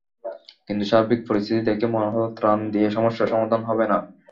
কিন্তু সার্বিক পরিস্থিতি দেখে মনে হলো, ত্রাণ দিয়ে সমস্যার সমাধান হবে না।